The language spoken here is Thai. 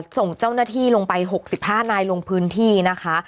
ส่งเจ้าหน้าที่ลงไป๖๕นายลงพื้นที่นะคะ